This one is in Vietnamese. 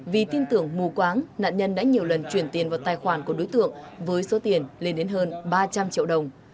vì tin tưởng mù quáng nạn nhân đã nhiều lần chuyển tiền vào tài khoản của đối tượng với số tiền lên đến hơn ba trăm linh triệu đồng